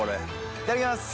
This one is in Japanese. いただきます。